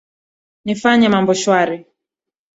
nifanye mambo shwari